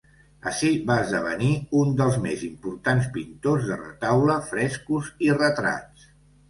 Ací va esdevenir un dels més importants pintors de retaules, frescos i retrats.